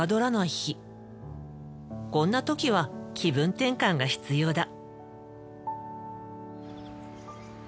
こんな時は気分転換が必要だ。